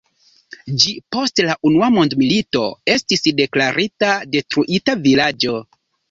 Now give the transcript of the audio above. Ĝi post la Unua mondmilito estis deklarita "detruita vilaĝo".